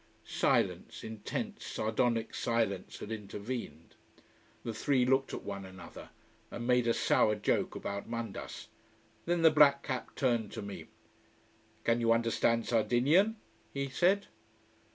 Silence, intense, sardonic silence had intervened. The three looked at one another and made a sour joke about Mandas. Then the black cap turned to me. "Can you understand Sardinian?" he said.